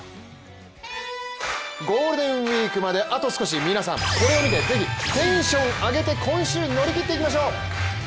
ゴールデンウイークまであと少し、皆さんこれを見てぜひテンション上げて今週乗り切っていきましょう！